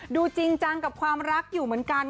จริงจังกับความรักอยู่เหมือนกัน